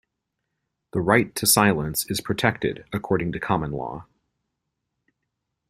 The right to silence is protected according to common law.